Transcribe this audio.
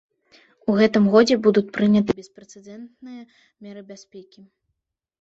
У гэтым годзе будуць прыняты беспрэцэдэнтныя меры бяспекі.